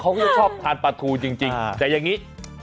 เขาก็จะชอบทานปลาทูจริงแต่อย่างนี้